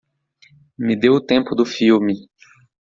Me dê o tempo do filme